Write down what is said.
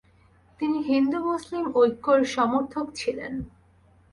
তিনি হিন্দু মুসলিম ঐক্যের সমর্থক ছিলেন।